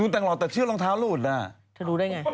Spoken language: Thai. แต่เชื่อรองเท้าหลุด